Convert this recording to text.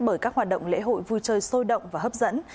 bởi các hoạt động lễ hội vui chơi sôi động và hấp dẫn